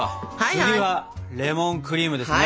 次はレモンクリームですね。